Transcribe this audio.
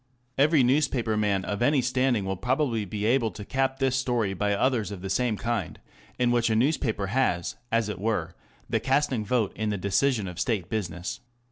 Every newspaper man of any standing will probably be able to cap this story by others of the same kind, in which a newspaper has, as it were, the casting vote in the decision of State business.